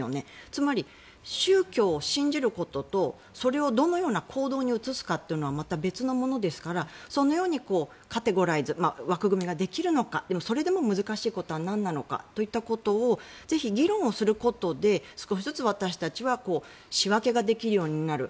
つまり、宗教を信じることとそれをどのような行動に移すかというのはまた別のものですからそのようにカテゴライズ枠組みができるのかそれでも難しいことはなんなのかということをぜひ議論をすることで少しずつ私たちは仕分けができるようになる。